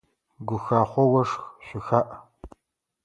Гухахъо ошх, шъухаӏ!